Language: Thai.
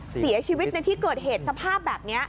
เสียชีวิตในที่เกิดเหตุสภาพแบบนี้